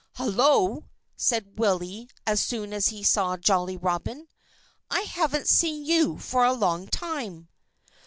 "Hullo!" said Willie as soon as he saw Jolly Robin. "I haven't seen you for a long time."